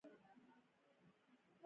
میلانوسایټس دوه ډوله میلانون تولیدوي: